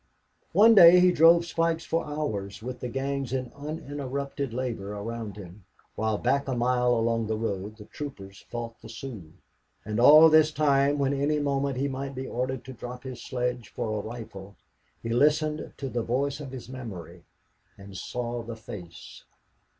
One day he drove spikes for hours, with the gangs in uninterrupted labor around him, while back a mile along the road the troopers fought the Sioux; and all this time, when any moment he might be ordered to drop his sledge for a rifle, he listened to the voice in his memory and saw the face.